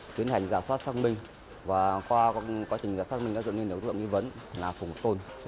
chuyên hành giả soát xác minh và qua quá trình giả soát xác minh đã dựa lên một lượng nghi vấn là phùng ngọc tôn